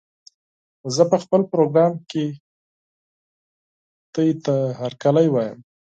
زه په خپل پروګرام کې تاسې ته هرکلی وايم